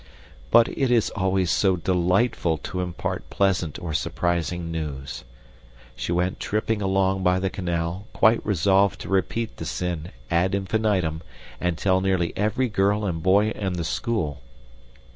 But it is always so delightful to impart pleasant or surprising news! She went tripping along by the canal, quite resolved to repeat the sin, ad infinitum, and tell nearly every girl and boy in the school.